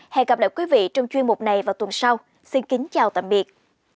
hẹn gặp lại quý vị trong chuyên mục này vào tuần sau xin kính chào tạm biệt